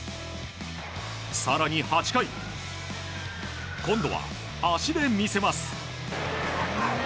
更に８回今度は足で見せます。